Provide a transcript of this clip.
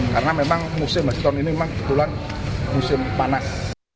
karena memang musim haji tahun ini memang kebetulan musim panas